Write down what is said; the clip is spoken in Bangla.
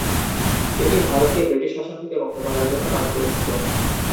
এটি ভারতকে ব্রিটিশ শাসন থেকে মুক্ত করার জন্য কাজ করেছিল।